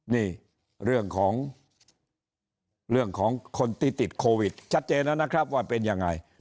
นี่เรื่องของเรื่องของคนที่ติดโควิดชัดเจนแล้วนะครับว่าเป็นยังไง